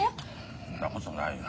そんなことないよ。